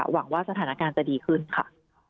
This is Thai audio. หวังว่าสถานการณ์จะดีขึ้นค่ะ